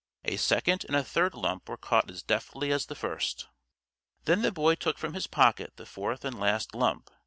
A second and a third lump were caught as deftly as the first. Then the Boy took from his pocket the fourth and last lump.